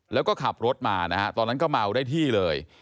แล้วก็ขับรถมานะฮะตอนนั้นก็เมาได้ที่เลย